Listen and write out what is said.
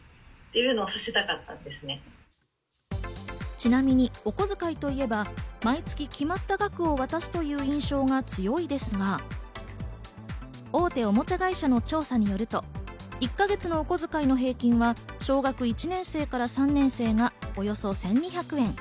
ちなみにお小遣いといえば、毎月決まった額を渡すという印象が強いですが、大手おもちゃ会社の調査によると、１か月のお小遣いの平均は小学１年生から３年生がおよそ１２００円。